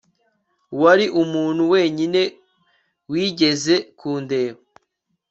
wari umuntu wenyine wigeze kundeba